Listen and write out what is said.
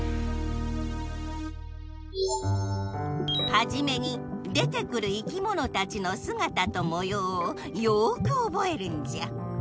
はじめに出てくる生きものたちのすがたともようをよくおぼえるんじゃ。